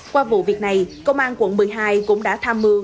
qua vụ việc này công an quận một mươi hai cũng đã tham mưu